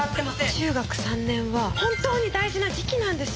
中学３年は本当に大事な時期なんです！